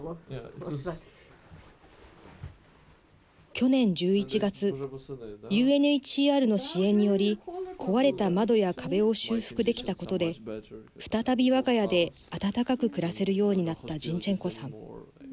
去年１１月ＵＮＨＣＲの支援により壊れた窓や壁を修復できたことで再び、わが家で暖かく暮らせるようになったジンチェンコさん。